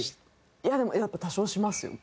いやでもやっぱ多少しますよ。